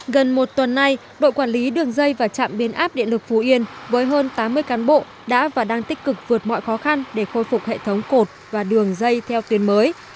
gần một tuần nay đội quản lý đường dây và trạm biến áp điện lực phú yên với hơn tám mươi cán bộ đã và đang tích cực vượt mọi khó khăn để khôi phục hệ thống cột và đường dây theo tuyến mới